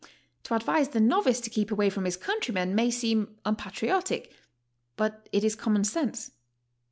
To ad vise the novice to keep away from his countrymen, may seem unpatriotic, but it is common sense.